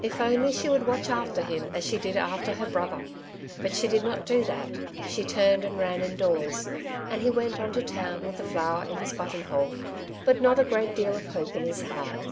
If she would only watch after him as she did after her brother I But she did not do that, she turned and ran indoors; and he went on to town with the flower in his buttonhole, but not a great deal of hope in his heart.